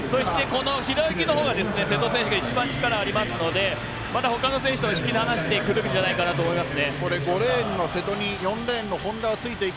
この平泳ぎのほうが瀬戸選手が力がありますのでまたほかの選手とは引き離してくるんじゃないかと思います。